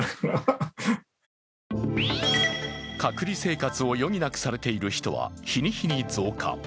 隔離生活を余儀なくされている人は日に日に増加。